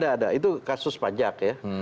tidak ada itu kasus pajak ya